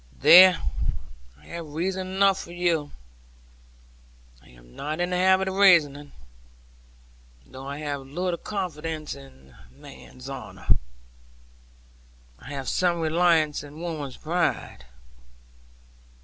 There, I have reasoned enough with you; I am not in the habit of reasoning. Though I have little confidence in man's honour, I have some reliance in woman's pride.